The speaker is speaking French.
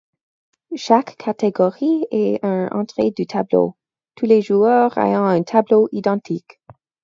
Chaque catégorie est une entrée du tableau, tous les joueurs ayant un tableau identique.